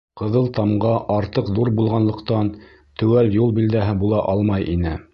Ҡыҙыл тамға артыҡ ҙур булғанлыҡтан теүәл юл билдәһе була алмай ине.